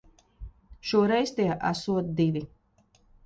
Šoreiz tie esot divi.